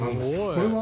これは？